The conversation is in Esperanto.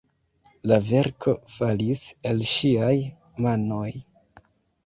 La verko falis el ŝiaj manoj.